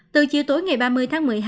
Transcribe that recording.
từ chiều tối ngày ba mươi tháng một mươi hai